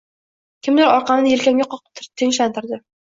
Kimdir orqamda yelkamga qoqib tinchlantirdi.